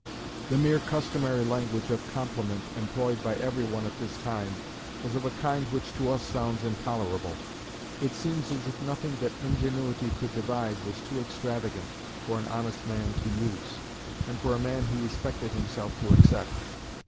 The mere customary language of compliment employed by every one at this time was of a kind which to us sounds intolerable. It seems as if nothing that ingenuity could devise was too extravagant for an honest man to use, and for a man who respected himself to accept.